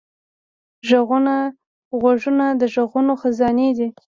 غوږونه د غږونو خزانې دي